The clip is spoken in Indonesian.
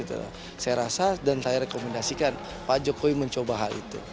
saya rasa dan saya rekomendasikan pak jokowi mencoba hal itu